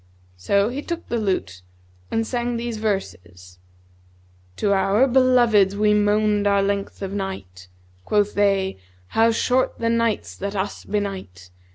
So he took the lute and sang these verses, 'To our beloveds we moaned our length of night; * Quoth they, 'How short the nights that us benight!'